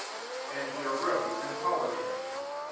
*' And he arose and followed him.